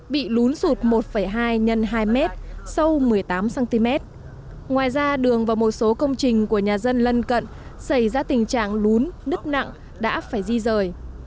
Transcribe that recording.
bị lún sụt một hai x hai m sâu một mươi tám cm ngoài ra đường và một số công trình của nhà dân lân cận xảy ra tình trạng lún nứt nặng đã phải di rời